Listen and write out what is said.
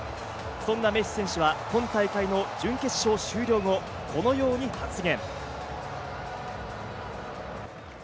そんなメッシ選手は、今大会の準決勝終了後、このように発言。